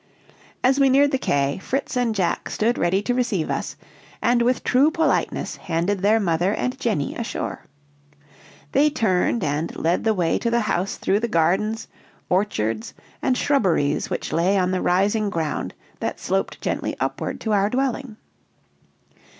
As we neared the quay, Fritz and Jack stood ready to receive us, and with true politeness handed their mother and Jenny ashore. They turned and led the way to the house through the gardens, orchards, and shrubberies which lay on the rising ground that sloped gently upward to our dwelling.